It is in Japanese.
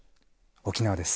沖縄です。